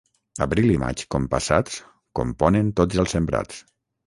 Abril i maig compassats componen tots els sembrats.